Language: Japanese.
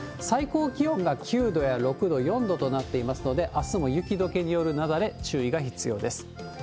最高気温が９度や６度、４度となっていますので、あすも雪解けによる雪崩、注意が必要です。